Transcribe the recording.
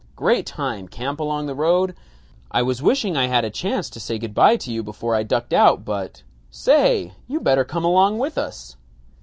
Great time. Camp along the road. I was wishing I had a chance to say good by to you before I ducked out but Say, you better come along with us."